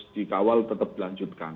dikawal tetap dilanjutkan